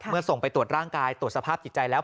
ส่งไปตรวจร่างกายตรวจสภาพจิตใจแล้ว